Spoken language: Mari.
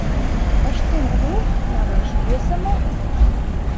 — Ыштен пу, манеш, йӧсӧ мо?